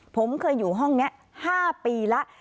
ผมเคยอยู่ห้องนี้๕ปีแล้ว